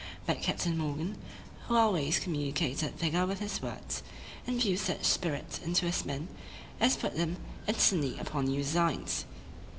But Captain Morgan, who always communicated vigor with his words, infused such spirit into his men, as put them instantly upon new designs.